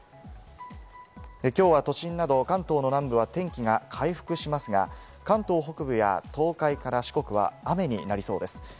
今日は都心など関東の南部は天気が回復しますが、関東北部や東海から四国は雨になりそうです。